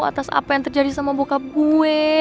atas apa yang terjadi sama bokap gue